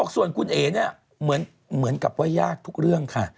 ส่วนคุณเอ๋เนี่ยเหมือนกับว่ายากทุกเรื่องค่ะ